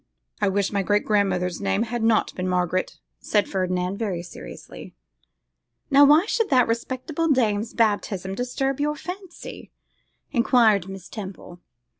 'I wish my great grandmother's name had not been Margaret,' said Ferdinand, very seriously. 'Now, why should that respectable dame's baptism disturb your fancy?' enquired Miss Temple.